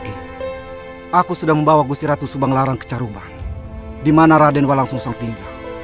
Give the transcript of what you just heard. ki aku sudah membawa gusti ratu subanglarang ke caruban dimana radenwa langsung salting